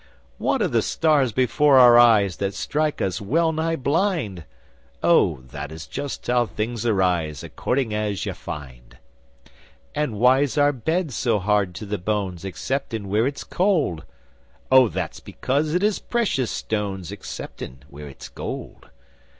'What are the stars before our eyes That strike us well nigh blind?' 'Oh, that is just how things arise According as you find.' 'And why's our bed so hard to the bones Excepting where it's cold?' 'Oh, that's because it is precious stones Excepting where 'tis gold.